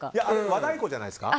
和太鼓じゃないですか？